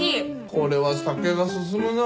これは酒が進むな。